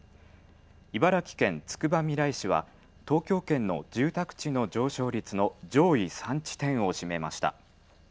茨城県つくばみらい市は東京圏の住宅地の上昇率の上位３地点を占めました。